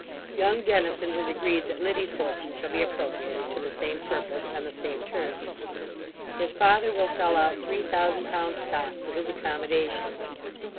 Young Dennison has agreed that Liddy's fortune shall be appropriated to the same purpose, on the same terms. His father will sell out three thousand pounds stock for his accommodation.